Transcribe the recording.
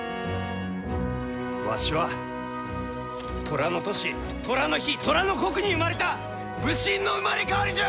わしは寅の年寅の日寅の刻に生まれた武神の生まれ変わりじゃ！